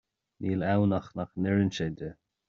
Níl ann ach nach n-oireann sé di.